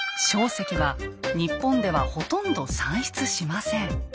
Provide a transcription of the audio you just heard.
硝石は日本ではほとんど産出しません。